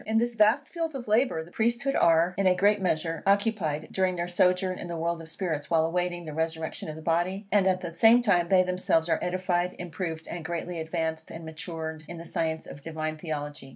In this vast field of labour, the Priesthood are, in a great measure, occupied, during their sojourn in the world of spirits while awaiting the resurrection of the body; and at the same time they themselves are edified, improved, and greatly advanced and matured in the science of divine Theology.